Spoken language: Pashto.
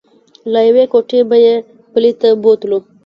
له یوې کوټې به یې بلې ته بوتلو.